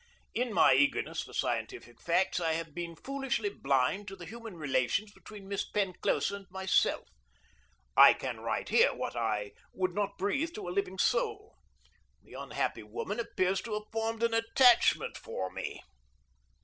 In my eagerness for scientific facts I have been foolishly blind to the human relations between Miss Penclosa and myself. I can write here what I would not breathe to a living soul. The unhappy woman appears to have formed an attachment for me.